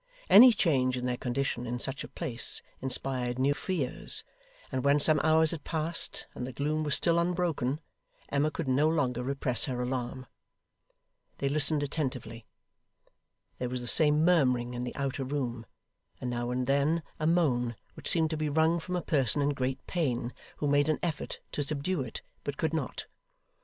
Any change in their condition in such a place inspired new fears; and when some hours had passed, and the gloom was still unbroken, Emma could no longer repress her alarm. They listened attentively. There was the same murmuring in the outer room, and now and then a moan which seemed to be wrung from a person in great pain, who made an effort to subdue it, but could not.